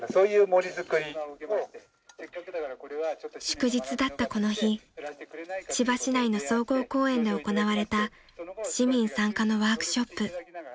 ［祝日だったこの日千葉市内の総合公園で行われた市民参加のワークショップ］